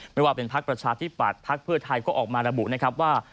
ไม่ว่าเป็นพักประชาชนิดหน้าที่ปัดพักเพื่อไทยก็ออกมาระบุนะครับว่า